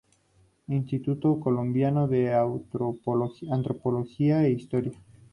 Instituto colombiano de Antropología e Historia.